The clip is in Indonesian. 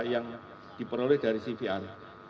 yang diperoleh dari cvr